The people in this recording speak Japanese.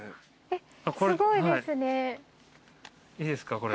いいですか？